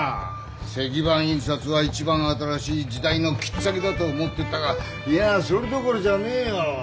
石版印刷は一番新しい時代の切っ先だと思ってたがいやそれどころじゃねえよ！